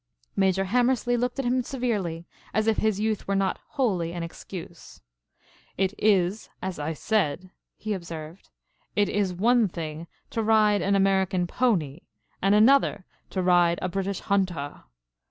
Major Hammerslea looked at him severely, as if his youth were not wholly an excuse. "It is, as I said," he observed. "It is one thing to ride an American pony and another to ride a British Hunter.